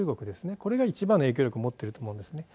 これが一番の影響力を持っていると思うんですね。